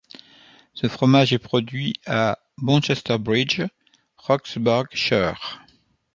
Ce fromage est produit à Bonchester Bridge, Roxburghshire.